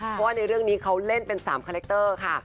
เพราะว่าในเรื่องนี้เขาเล่นเป็น๓คาแรคเตอร์ค่ะ